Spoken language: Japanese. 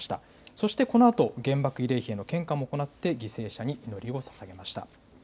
そしてこのあと原爆慰霊碑への献花も行って犠牲者への祈りをささげました。